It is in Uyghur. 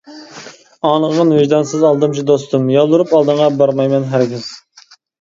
ئاڭلىغىن ۋىجدانسىز ئالدامچى دوستۇم، يالۋۇرۇپ ئالدىڭغا بارمايمەن ھەرگىز.